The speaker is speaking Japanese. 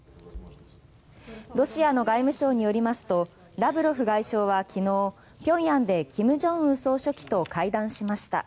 ロシアの外務省によりますとラブロフ外相は昨日、平壌で金正恩総書記と会談しました。